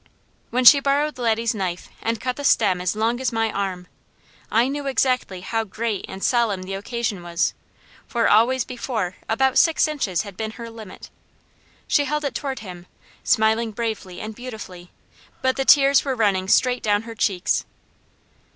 When she borrowed Laddie's knife and cut the stem as long as my arm, I knew exactly how great and solemn the occasion was; for always before about six inches had been her limit. She held it toward him, smiling bravely and beautifully, but the tears were running straight down her cheeks.